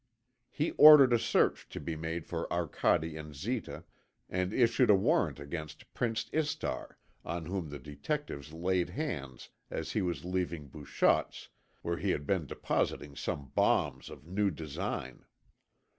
He ordered a search to be made for Arcade and Zita, and issued a warrant against Prince Istar, on whom the detectives laid hands as he was leaving Bouchotte's, where he had been depositing some bombs of new design.